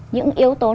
những yếu tố